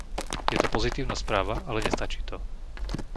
Je to pozitívna správa, ale nestačí to.